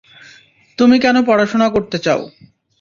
তুমি কেন পড়াশুনা করতে চাও?